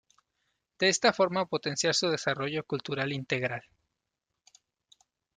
De esta forma potenciar su desarrollo cultural integral.